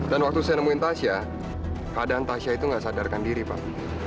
dan waktu saya nemuin tasya keadaan tasya itu gak sadarkan diri pak